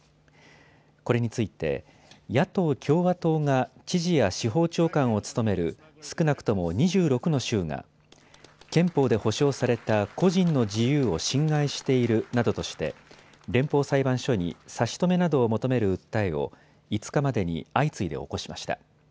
これについて野党共和党が知事や司法長官を務める少なくとも２６の州が憲法で保障された個人の自由を侵害しているなどとして連邦裁判所に差し止めなどを求める訴えを５日までに相次いで起こしました。